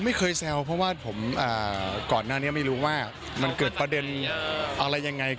แซวเพราะว่าผมก่อนหน้านี้ไม่รู้ว่ามันเกิดประเด็นอะไรยังไง